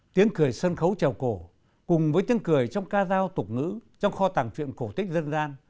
tiếng cười sân khấu trèo cổ cùng với tiếng cười trong ca giao tục ngữ trong kho tàng chuyện cổ tích dân gian